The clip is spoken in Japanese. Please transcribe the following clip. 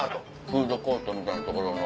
フードコートみたいな所の。